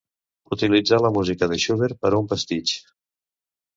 Utilitzà la música de Schubert en un pastitx.